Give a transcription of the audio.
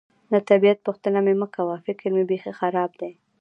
د طبیعت پوښتنه مې مه کوه، فکر مې بېخي خراب دی.